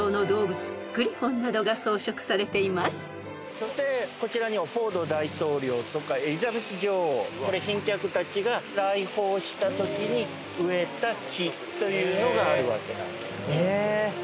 そしてこちらにはフォード大統領とかエリザベス女王賓客たちが来訪したときに植えた木というのがあるわけなんです。